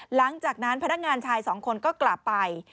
หลังจากนั้นพนักงานชายสองคนก็กลับไป